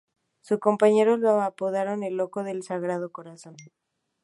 Sus compañeros lo apodaron "el loco del Sagrado Corazón".